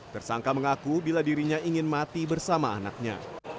tersangka mengaku bila dirinya ingin mati bersama anaknya